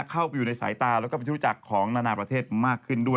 เข้าไปอยู่ในสายตาแล้วก็เป็นที่รู้จักของนานาประเทศมากขึ้นด้วย